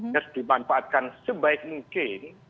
harus dimanfaatkan sebaik mungkin